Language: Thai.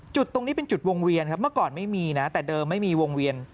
จุดตรงนี้เป็นจุดวงเวียนครับเมื่อก่อนไม่มีนะแต่เดิมไม่มีวงเวียน